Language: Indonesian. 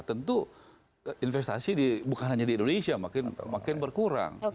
tentu investasi bukan hanya di indonesia makin berkurang